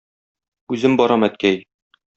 Үзем барам, әткәй.